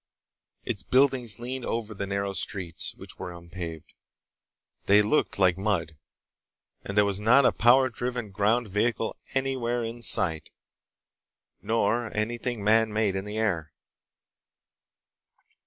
Its buildings leaned over the narrow streets, which were unpaved. They looked like mud. And there was not a power driven ground vehicle anywhere in sight, nor anything man made in the air.